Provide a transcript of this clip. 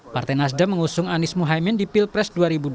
partai nasdem mengusung anies muhaymin di pilpres dua ribu dua puluh